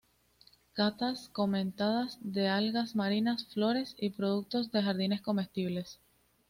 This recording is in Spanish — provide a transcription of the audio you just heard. Catas comentadas de algas marinas, flores y productos de jardines comestibles.